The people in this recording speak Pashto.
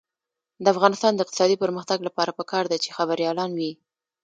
د افغانستان د اقتصادي پرمختګ لپاره پکار ده چې خبریالان وي.